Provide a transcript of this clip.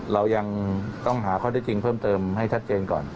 เรายังต้องหาข้อได้จริงเพิ่มเติมให้ชัดเจนก่อน